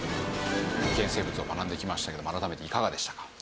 危険生物を学んできましたけど改めていかがでしたか？